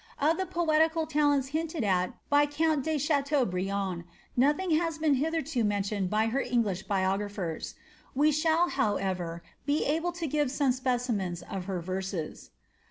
Of the poetical hinted at by count de Chateaubriant, nothing has been hitlierl tioned by her English biographers ; we shall, however, be able some specimens of her verses.